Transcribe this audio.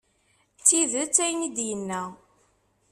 D tidet ayen i d-yenna.